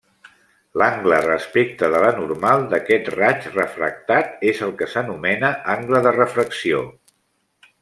L'angle respecte de la normal d'aquest raig refractat és el que s'anomena angle de refracció.